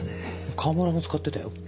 河村も使ってたよ？